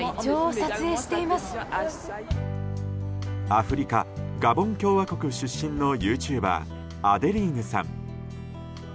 アフリカ・ガボン共和国出身のユーチューバーアデリーヌさん。